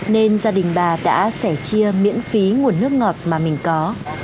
nên gia đình bà đã sẻ chia miễn phí nguồn nước ngọt mà mình có